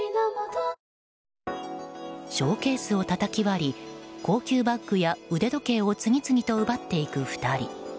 ショーケースをたたき割り高級バッグや腕時計を次々と奪っていく２人。